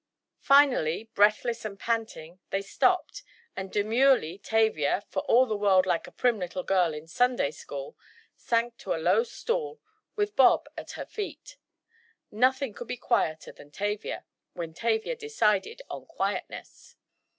Finally, breathless and panting, they stopped, and demurely Tavia, for all the world like a prim little girl in Sunday School, sank to a low stool, with Bob at her feet. Nothing could be quieter than Tavia, when Tavia decided on quietness.